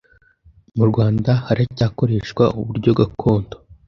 Mu Rwanda haracyakoreshwa uburyo gakondo